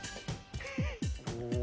お！